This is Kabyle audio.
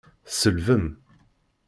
Tselbem!